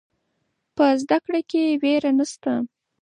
په زده کړه کې ویره نشته.